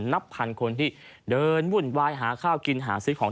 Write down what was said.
นับพันคนที่เดินวุ่นวายหาข้าวกินหาซื้อของ